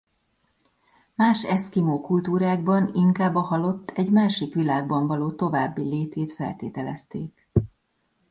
Más eszkimó kultúrákban inkább a halott egy másik világban való további létét feltételezték.